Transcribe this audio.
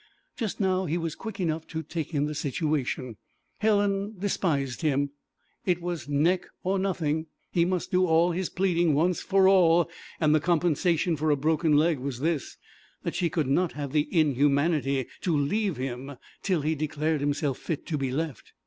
Just now he was quick enough to take in the situation: Helen despised him, it was neck or nothing, he must do all his pleading once for all, and the compensation for a broken leg was this, that she could not have the inhumanity to leave him till he declared himself fit to be left.